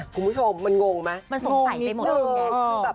คุณผู้ชมมันงงมั้ย